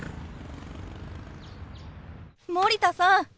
森田さん